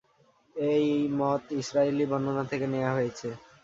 এই মত ইসরাঈলী বর্ণনা থেকে নেয়া হয়েছে।